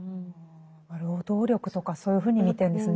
労働力とかそういうふうに見てるんですね。